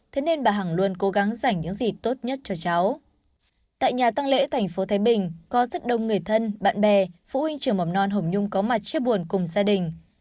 tại nhà tăng lễ tp thái bình có rất đông người thân bạn bè phụ huynh trường mầm non hồng nhung có mặt chết buồn cùng gia đình